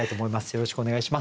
よろしくお願いします。